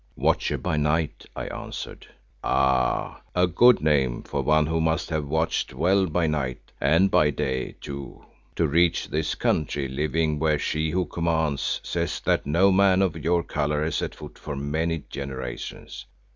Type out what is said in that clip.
"Watcher by Night," I answered. "Ah! a good name for one who must have watched well by night, and by day too, to reach this country living where She who commands says that no man of your colour has set foot for many generations.